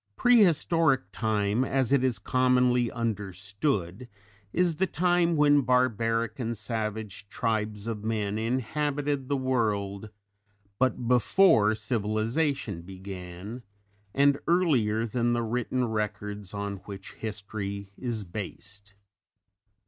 _ Prehistoric time, as it is commonly understood, is the time when barbaric and savage tribes of men inhabited the world but before civilization began, and earlier than the written records on which history is based.